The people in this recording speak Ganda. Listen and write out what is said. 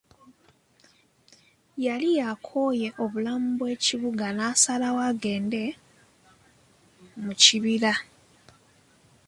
Yali akooye obulamu bw'ekibuga n'asalawo agende mu kibira.